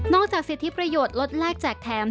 จากสิทธิประโยชน์ลดแลกแจกแถม